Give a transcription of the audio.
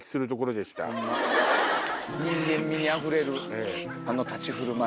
人間味あふれるあの立ち振る舞い。